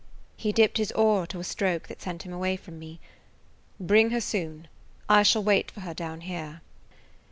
He dipped his oar to a stroke that sent him away from me. "Bring her soon. I shall wait for her down here."